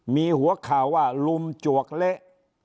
มีหัวข่าวว่าลุมจวกเละ